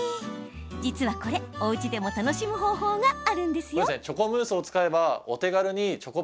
実は、これ、おうちでも楽しむ方法があるんです。